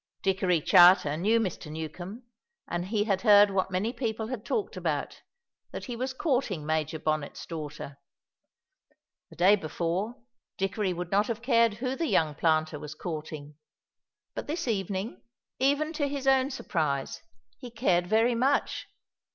Dickory Charter knew Mr. Newcombe, and he had heard what many people had talked about, that he was courting Major Bonnet's daughter. The day before Dickory would not have cared who the young planter was courting, but this evening, even to his own surprise, he cared very much.